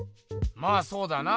まあそうだな。